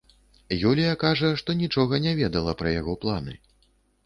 Юлія кажа, што нічога не ведала пра яго планы.